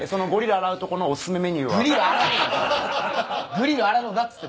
グリルあらのだっつって。